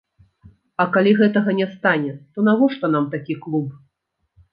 А калі гэтага не стане, то навошта нам такі клуб?